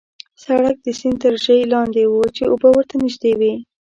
سړک د سیند تر ژۍ لاندې وو، چې اوبه ورته نژدې وې.